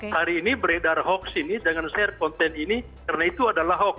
hari ini beredar hoax ini dengan share konten ini karena itu adalah hoax